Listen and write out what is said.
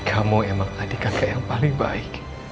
kamu emang adik kakak yang paling baik